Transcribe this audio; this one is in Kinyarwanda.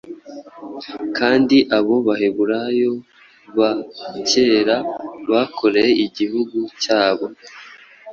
kandi abo Baheburayo ba kera bakoreye igihugu cyabo,